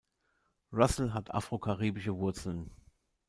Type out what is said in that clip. Russell hat afro-karibische Wurzeln.